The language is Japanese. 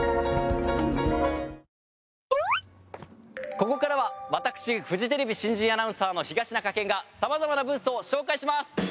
ここからは私フジテレビ新人アナウンサーの東中健がさまざまなブースを紹介します！